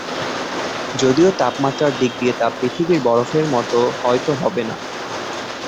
যদিও তাপমাত্রার দিক দিয়ে তা পৃথিবীর বরফের মতো হয়ত হবে না।